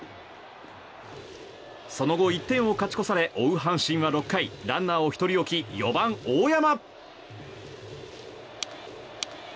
その後、１点を勝ち越され追う阪神は６回、ランナーを１人置き４番、大山。